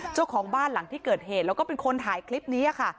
เจ้าของบ้านหลังที่เกิดเหตุแล้วก็เป็นคนถ่ายคลิปนี้ค่ะ